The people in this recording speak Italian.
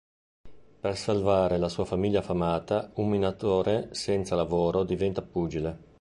Per salvare la sua famiglia affamata, un minatore senza lavoro diventa pugile.